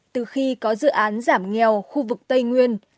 từ khi có dự án giảm nghèo khu vực tây nguyên